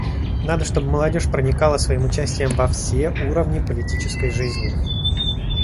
Надо, чтобы молодежь проникала своим участием во все уровни политической жизни.